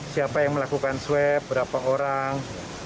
siapa yang melakukan swab berapa orang